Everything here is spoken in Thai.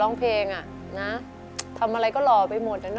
ร้องเพลงอ่ะนะทำอะไรก็หล่อไปหมดอะเน